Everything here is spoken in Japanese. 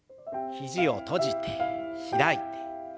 肘を閉じて開いて。